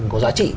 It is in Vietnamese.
có giá trị